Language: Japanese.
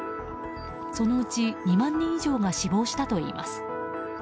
そのうち２万人以上が死亡したといいます。